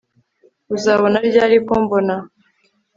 Uzabona ryari kumbona